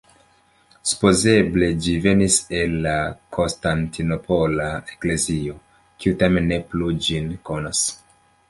Supozeble ĝi venis el la Konstantinopola eklezio, kiu tamen ne plu ĝin konas.